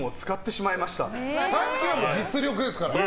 さっきのは実力ですから。